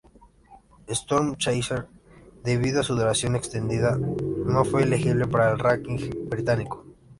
Storm Chaser, debido a su duración extendida, no fue elegible para el ranking británico.